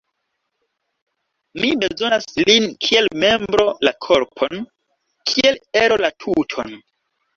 Mi bezonas lin kiel membro la korpon, kiel ero la tuton.